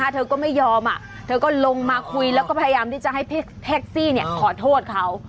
เธอก็ไม่ยอมเธอก็ลงมาคุยแล้วก็พยายามที่จะให้แท็กซี่ขอโทษเขา